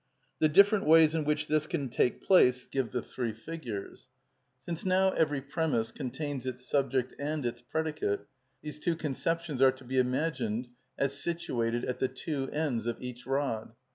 The different ways in which this can take place give the three figures. Since now every premiss contains its subject and its predicate, these two conceptions are to be imagined as situated at the two ends of each rod.